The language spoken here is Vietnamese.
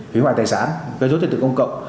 hủy hoại tài sản gây rối thiệt tự công cộng